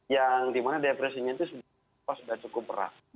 yang dimana depresinya itu sudah cukup berat